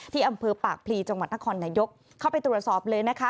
ที่อำเภอปากพลีจังหวัดนครนายกเข้าไปตรวจสอบเลยนะคะ